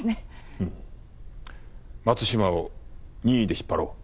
松島を任意で引っ張ろう。